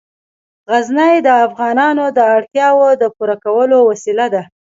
غزني د افغانانو د اړتیاوو د پوره کولو وسیله ده.